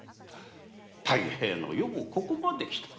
太平の世もここまできたか。